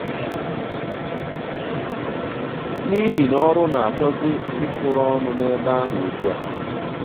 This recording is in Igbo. n'ihi na ọrụ na-achọzị ịkụrụ ọnụ n'ebe ahụ ugbua.